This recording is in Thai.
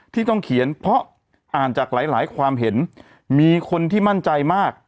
ที่ต้องเขียนเพราะอ่านจากหลายหลายความเห็นมีคนที่มั่นใจมาก